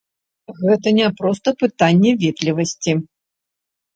Гэта не проста пытанне ветлівасці.